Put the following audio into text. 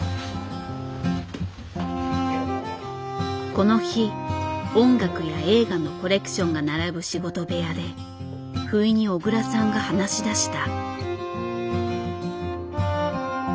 この日音楽や映画のコレクションが並ぶ仕事部屋でふいに小倉さんが話しだした。